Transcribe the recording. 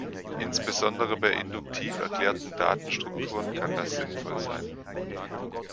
Insbesondere bei induktiv erklärten Datenstrukturen kann das sinnvoll sein.